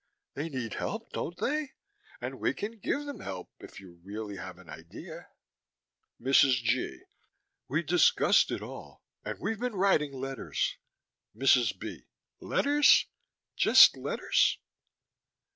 They need help, don't they? And we can give them help. If you really have an idea? MRS. G.: We discussed it all. And we've been writing letters. MRS. B.: Letters? Just letters?